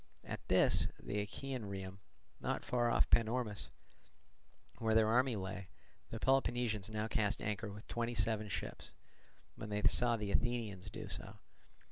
At this, the Achaean Rhium, not far off Panormus, where their army lay, the Peloponnesians now cast anchor with seventy seven ships, when they saw the Athenians do so.